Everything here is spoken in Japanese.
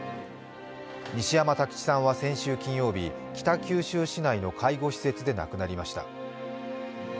西山太吉さんは先週金曜日、北九州市内の介護施設で亡くなりました。